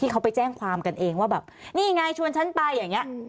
เขาไปแจ้งความกันเองว่าแบบนี่ไงชวนฉันไปอย่างนี้